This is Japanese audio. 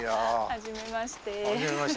はじめまして。